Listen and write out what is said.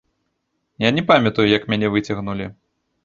Я не памятаю, як мяне выцягнулі.